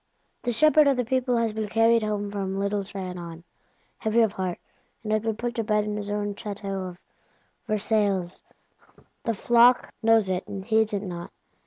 The shepherd of the people has been carried home from Little Trianon, heavy of heart, and been put to bed in his own Château of Versailles: the flock knows it, and heeds it not.